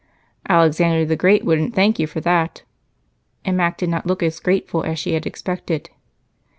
"Alexander the Great wouldn't thank you for that," and Mac did not look as grateful as she had expected.